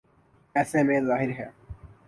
ایسے میں ظاہر ہے۔